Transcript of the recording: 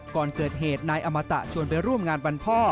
ก่อนเกิดเหตุนายอมตะชวนไปร่วมงานวันพ่อ